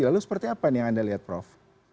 lalu seperti apa nih yang anda lihat prof